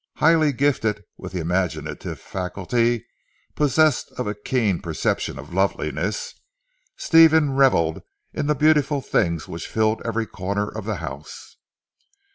Highly gifted with the imaginative faculty, possessed of a keen perception of loveliness, Stephen revelled in the beautiful things which filled every corner of the house.